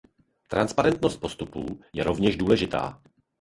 Transparentnost postupů je rovněž důležitá.